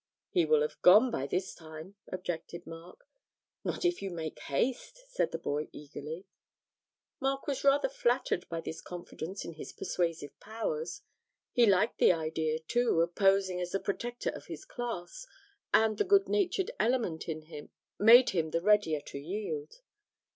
'He will have gone by this time,' objected Mark. 'Not if you make haste,' said the boy, eagerly. Mark was rather flattered by this confidence in his persuasive powers: he liked the idea, too, of posing as the protector of his class, and the good natured element in him made him the readier to yield.